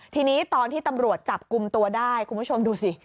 ทีนี้ตอนที่ตำรวจจับกลุ่มตัวได้คุณผู้ชมดูสิ